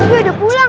eh dia udah pulang